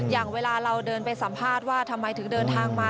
อย่างเวลาเราเดินไปสัมภาษณ์ว่าทำไมถึงเดินทางมา